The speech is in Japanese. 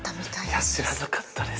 いや知らなかったです。